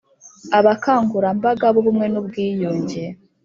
Abakangurambaga b ubumwe n ubwiyunge